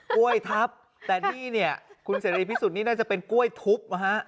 กล้วยทับแต่นี่เนี่ยคุณเสรีพิสุทธินี่น่าจะเป็นกล้วยทุบนะฮะ